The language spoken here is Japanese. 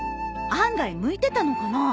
案外向いてたのかな？